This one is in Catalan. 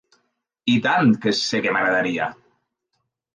I tant que sé que m'agradaria!